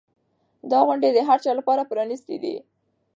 دا غونډې د هر چا لپاره پرانیستې دي.